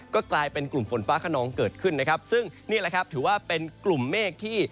ก็กลายเป็นกลุ่มฝนฟ้าขนองเกิดขึ้นนะครับซึ่งนี่แหละครับถือว่าเป็นกลุ่มเมฆที่